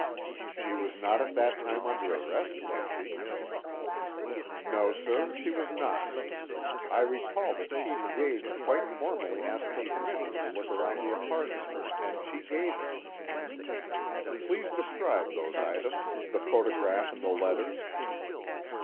"She was not at that time under arrest, was she?" "No, sir, she was not. I recall that Chief Gage quite formally asked her permission to look around the apartment, and she gave it." "Please describe those items, the photograph and the letters."